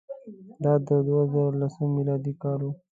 دا د دوه زره لسم میلادي کال وو.